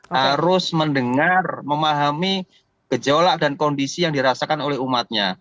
harus mendengar memahami gejolak dan kondisi yang dirasakan oleh umatnya